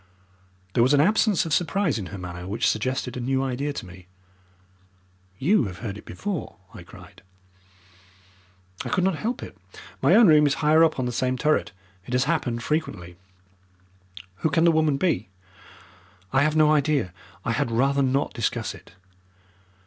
There was an absence of surprise in her manner which suggested a new idea to me. "You have heard it before," I cried. "I could not help it. My own room is higher up on the same turret. It has happened frequently." "Who can the woman be?" "I have no idea. I had rather not discuss it."